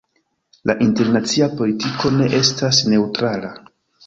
La internacia politiko ne estas neŭtrala.